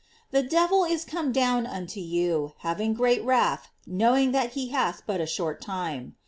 "The devil is come down unto you, having great wrath, knowing that he hath but a short time."